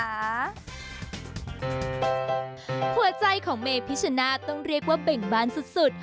หัวใจของเมพิชนาธิต้องเรียกว่าเบ่งบานสุด